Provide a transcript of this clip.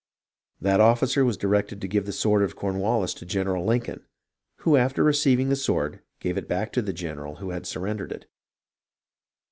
That officer was directed to give the sword of Cornwallis to General Lincoln, who after receiving the sword gave it back to the general who had surrendered it.